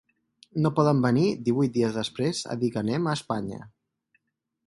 No poden venir divuit dies després a dir que anem a Espanya.